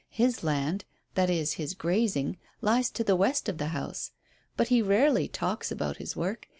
His land that is, his grazing lies to the west of the house. But he rarely talks about his work.